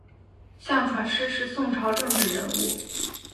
向传师是宋朝政治人物。